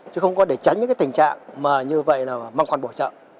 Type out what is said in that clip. chứ không có để tránh những cái tình trạng mà như vậy là mang quan bổ trợ